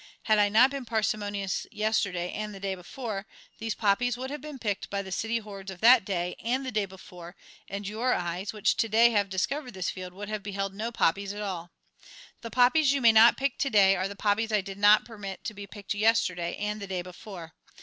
Had I not been parsimonious yesterday and the day before, these poppies would have been picked by the city hordes of that day and the day before, and your eyes, which to day have discovered this field, would have beheld no poppies at all. The poppies you may not pick to day are the poppies I did not permit to be picked yesterday and the day before.